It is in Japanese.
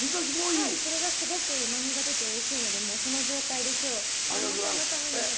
これがすごくうまみが出ておいしいのでその状態で今日さんまさんのために持って。